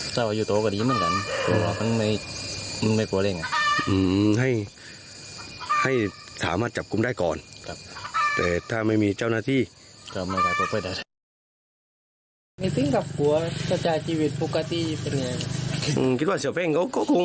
ซึ่งกับผัวจะจ่ายชีวิตปกติเป็นยังคิดว่าเสียแป้งก็คง